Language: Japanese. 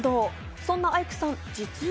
そんなアイクさん実は。